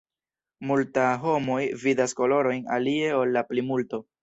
Multa homoj vidas kolorojn alie ol la plimulto.